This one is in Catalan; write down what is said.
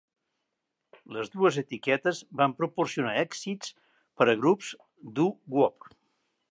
Les dues etiquetes van proporcionar èxits per a grups doo-woop.